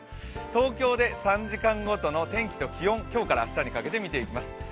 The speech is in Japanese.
東京で３時間ごとの天気と気温、今日から明日にかけて見ていきます。